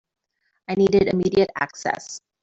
I needed immediate access.